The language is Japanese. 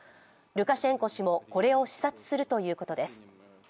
ルカシェンコ氏も、これを視察するということです。